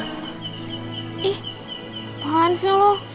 ih apaan sih lu